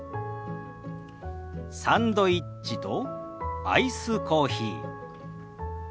サンドイッチとアイスコーヒー。